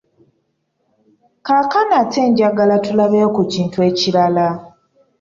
Kaakano ate njagala tulabeyo ku kintu ekirala.